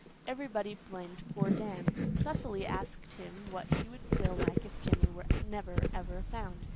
Everybody blamed poor Dan. Cecily asked him what he would feel like if Jimmy was never, never found.